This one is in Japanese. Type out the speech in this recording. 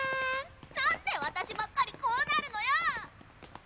なんで私ばっかりこうなるのよっ！